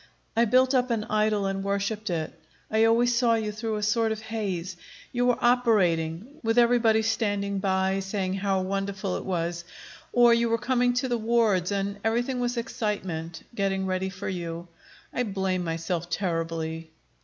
I built up an idol and worshiped it. I always saw you through a sort of haze. You were operating, with everybody standing by, saying how wonderful it was. Or you were coming to the wards, and everything was excitement, getting ready for you. I blame myself terribly.